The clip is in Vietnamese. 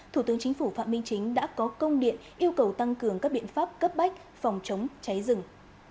thủ tướng chính phủ phạm minh chính đã có công điện yêu cầu tăng cường các biện pháp cấp bách phòng chống cháy rừng